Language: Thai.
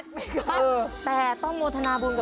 ทุกข้าทุกข้าทุกข้าทุกข้า